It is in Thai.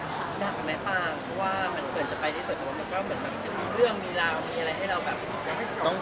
เพราะว่าเป็นในอนคือจะไปที่สุดแต่มันค่ะมันก็เหมือนหนังมีเรื่องมีราวมีอะไรให้เราแบบ